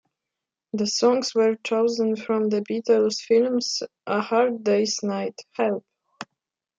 The songs were chosen from the Beatles' films, "A Hard Day's Night", "Help!